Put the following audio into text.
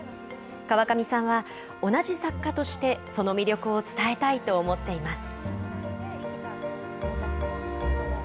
川上さんは、同じ作家として、その魅力を伝えたいと思っています。